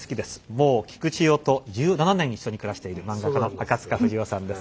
もう菊千代と１７年一緒に暮らしている漫画家の赤塚不二夫さんです。